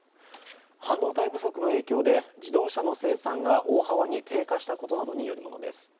半導体不足の影響で自動車の生産が大幅に低下したことなどによるものです。